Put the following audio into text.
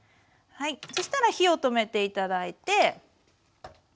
そしたら火を止めて頂いて。